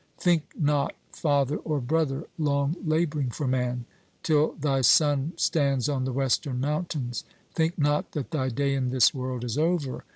Think not, father or brother, long laboring for man, till thy sun stands on the western mountains, think not that thy day in this world is over.